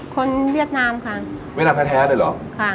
เวียดนามค่ะเวียดนามแท้เลยเหรอค่ะ